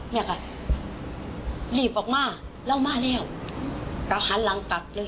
แม่ค่ะรีบออกมาเหล้ามาแล้วเขาหันหลังกลับเลย